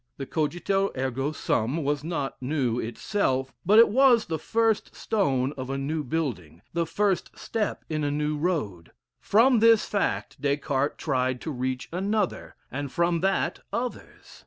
The Cogito ergo Sum was not new itself, but it was the first stone of a new building the first step in a new road: from this fact Des Cartes tried to reach another, and from that others.